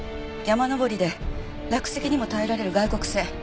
山登りで落石にも耐えられる外国製。